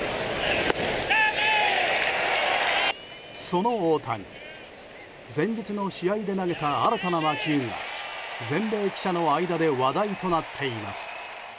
その大谷、先日の試合で投げた新たな魔球が全米記者の間で話題となっています。